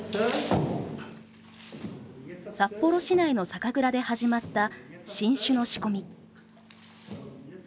札幌市内の酒蔵で始まった新酒の仕込み。